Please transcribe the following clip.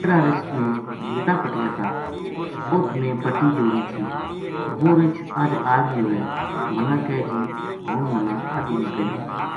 کہڑا رچھ نے بوٹا پٹیا تھا اُت میں پٹی جوڑی تھی وہ رچھ اج آ گیو ہے منا کہے جی ہن منا ادھی مکئی